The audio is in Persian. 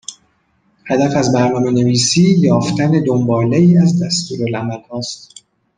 هدف از برنامهنویسی یافتن دنباله ای از دستورالعملها است